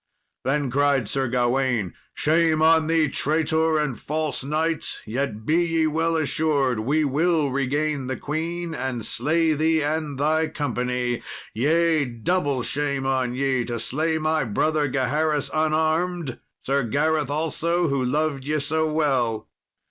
Then cried Sir Gawain, "Shame on thee, traitor and false knight, yet be ye well assured we will regain the queen and slay thee and thy company; yea, double shame on ye to slay my brother Gaheris unarmed, Sir Gareth also, who loved ye so well.